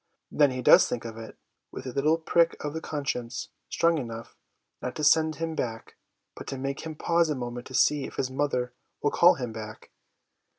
Then he does think of it, with a little prick of con science, strong enough, not to send him back, but to make him pause a moment to see if his mother will call him back.